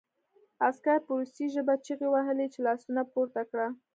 عسکر په روسي ژبه چیغې وهلې چې لاسونه پورته کړه